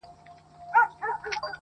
يوه ورځ چي گيند را خوشي سو ميدان ته!!